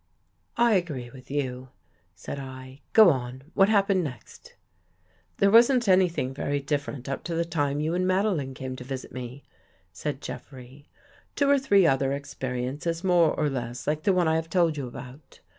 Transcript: " I agree with you," said 1. " Go on. What happened next? "" There wasn't anything very different up to the time you and Madeline came to visit me," said Jeff rey. " Two or three other experiences more or less like the ones I have told you about.